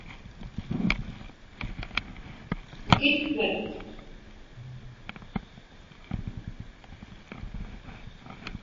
Makitpat?